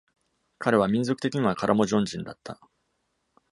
彼は民族的にはカラモジョン人だった。